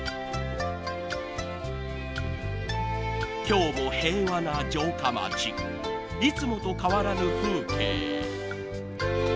［今日も平和な城下町］［いつもと変わらぬ風景］